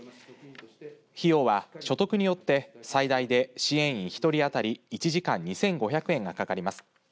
費用は、所得によって最大で支援員１人当たり１時間２５００円がかかります。